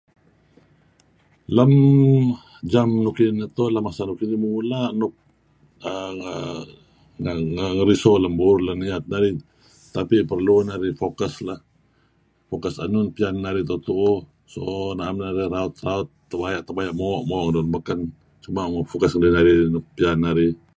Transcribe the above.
Lang-lang jam nuh ineh pah lem masa kayu' inihmula' uhm nga' ngeruso lam niat narih tapi perlu narih focus lah focus enun pian narih doo' tuuh so naem narih raut-raut tebaya'-tebaya' moo'- moo' tuen lun baken. Focus narih nun nuk pian narih.